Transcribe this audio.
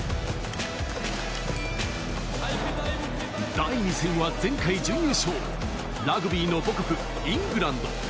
第２戦は前回準優勝、ラグビーの母国イングランド。